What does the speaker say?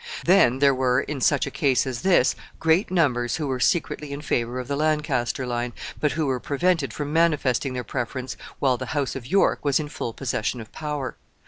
Then there were, in such a case as this, great numbers who were secretly in favor of the Lancaster line, but who were prevented from manifesting their preference while the house of York was in full possession of power.